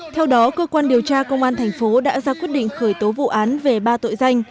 theo đó cơ quan điều tra công an thành phố đã ra quyết định khởi tố vụ án về ba tội danh